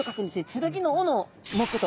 剣の尾の目と。